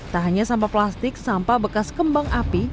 tak hanya sampah plastik sampah bekas kembang api